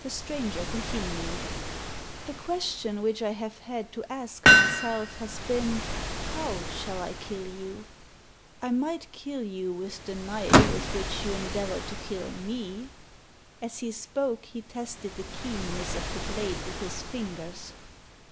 The stranger continued. "The question which I have had to ask myself Digitized by VjOOQIC A PSYCHOLOGICAL EXPERIMENT 13 has been, how shall I kill you? I might kill you with the knife with which you endeavoured to kill me." As he spoke, he tested the keenness of the blade with his fingers.